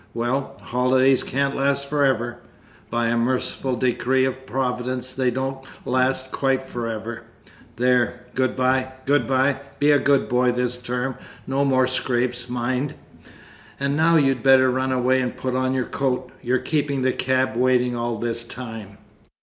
Well, holidays can't last for ever by a merciful decree of Providence, they don't last quite for ever! There, good bye, good bye, be a good boy this term, no more scrapes, mind. And now you'd better run away, and put on your coat you're keeping the cab waiting all this time."